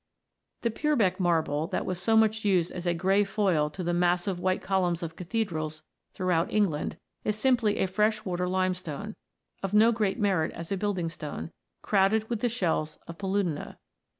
The Purbeck Marble that was so much used as a grey foil to the massive white columns of cathedrals throughout England is simply a freshwater limestone, of no great merit as a building stone, crowded with the shells of Paludina.